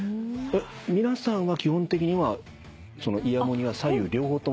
皆さんは基本的にはイヤモニは左右両方ともしてますか？